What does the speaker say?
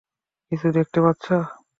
কিছু দেখতে পাচ্ছ?